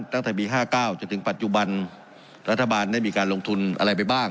ตั้งแต่ปี๕๙จนถึงปัจจุบันรัฐบาลได้มีการลงทุนอะไรไปบ้าง